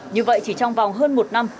như vậy chỉ trong một ngày